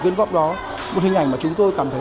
quyên góp đó một hình ảnh mà chúng tôi cảm thấy